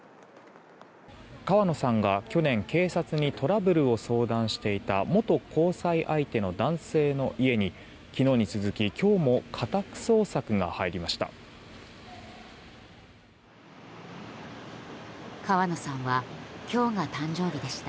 川野さんが去年警察にトラブルを相談していた元交際相手の男性の家に昨日に続き今日も家宅捜索が入りました。